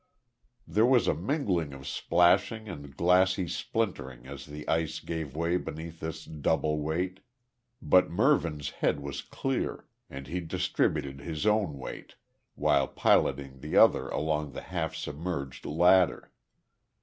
There was a mingling of splashing and glassy splintering as the ice gave way beneath this double weight, but Mervyn's head was clear, and he distributed his own weight while piloting the other along the half submerged ladder.